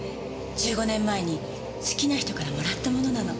１５年前に好きな人からもらったものなの。